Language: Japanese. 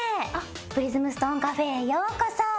プリズムストーンカフェへようこそ。